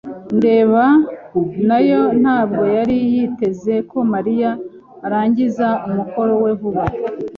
ndeba nayo ntabwo yari yiteze ko Mariya arangiza umukoro we vuba.